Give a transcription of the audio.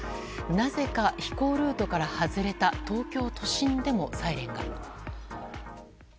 なぜか飛行ルートから外れた東京都心でもサイレンが。